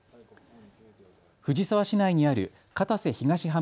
藤沢市内にある片瀬東浜